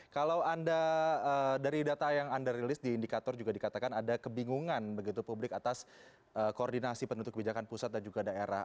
kalau anda dari data yang anda rilis di indikator juga dikatakan ada kebingungan begitu publik atas koordinasi penutup kebijakan pusat dan juga daerah